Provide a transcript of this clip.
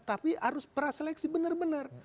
tapi harus praseleksi benar benar